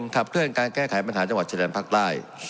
ขับเคลื่อนการแก้ไขปัญหาจังหวัดชายแดนภาคใต้